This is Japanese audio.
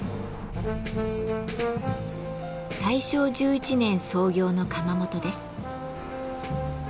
大正１１年創業の窯元です。